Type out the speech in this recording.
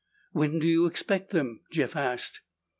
"When do you expect them?" Jeff asked.